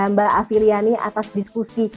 mbak afi liani atas diskusi